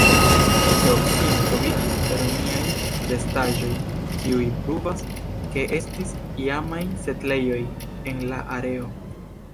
Proksime troviĝis romiaj restaĵoj kiuj pruvas, ke estis iamaj setlejoj en la areo.